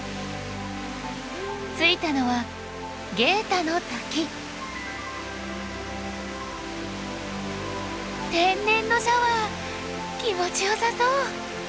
着いたのは天然のシャワー気持ちよさそう！